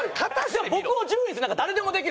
でも僕を１０位にするのなんか誰でもできる。